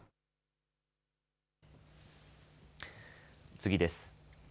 次です。